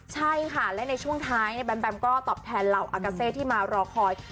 ใช่ค่ะและในช่วงท้ายแบมแบมก็ตอบแทนเหล่าอากาเซที่มารอคอย